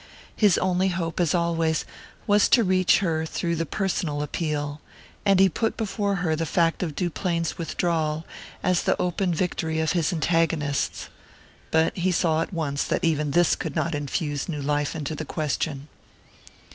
His only hope, as always, was to reach her through the personal appeal; and he put before her the fact of Duplain's withdrawal as the open victory of his antagonists. But he saw at once that even this could not infuse new life into the question.